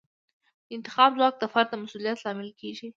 د انتخاب ځواک د فرد د مسوولیت لامل کیږي.